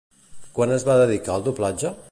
Quan es va dedicar al doblatge?